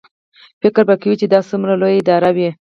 فکر به کوې چې دا څومره لویه اداره وي.